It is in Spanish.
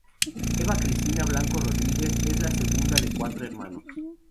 Eva Cristina Blanco Rodríguez es la segunda de cuatro hermanos.